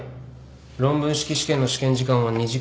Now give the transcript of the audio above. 論文式試験の試験時間は２時間。